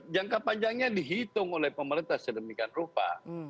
jangka panjangnya dihitung oleh pemerintah sedemikian rupa